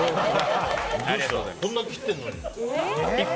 こんなに切っているのに。